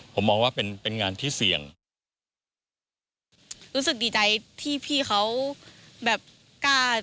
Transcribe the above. ผมมองว่าเป็นเป็นงานที่เสี่ยงรู้สึกดีใจที่พี่เขาแบบกล้า